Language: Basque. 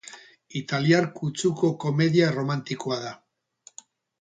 Italiar kutsuko komedia erromantikoa da.